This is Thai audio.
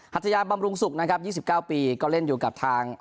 ัทยาบำรุงศุกร์นะครับ๒๙ปีก็เล่นอยู่กับทาง